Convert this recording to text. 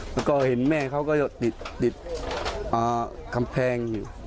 แล้วก็เห็นแม่เขาก็ติดกำแพงอยู่